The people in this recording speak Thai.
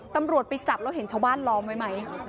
ตำรวจไปจับแล้วเห็นชาวบ้านล้อมไว้ไหม